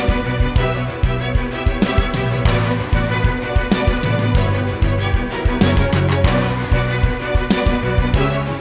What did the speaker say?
aku ngeliat laki laki yang mengerikan mas